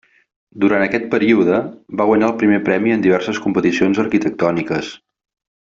Durant aquest període, va guanyar el primer premi en diverses competicions arquitectòniques.